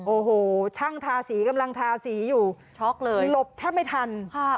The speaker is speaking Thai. โอ้โหช่างทาสีกำลังทาสีอยู่ช็อกเลยหลบแทบไม่ทันค่ะ